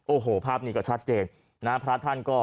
โอ้โหภาพนี้ก็ชัดเจนนะฮะพระท่านก็